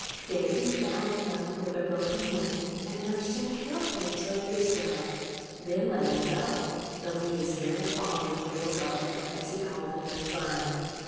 Davy found him, with a broken wing, and nursed him carefully till he was well; then let him go, though he was very fond of "Little Gulliver," as he called him in fun.